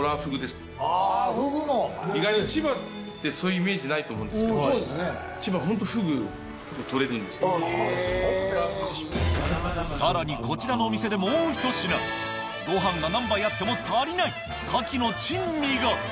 はい意外と千葉ってそういうイメージないと思うんですけど千葉ホントフグとれるんですさらにこちらのお店でもう一品ご飯が何杯あっても足りない牡蠣の珍味が！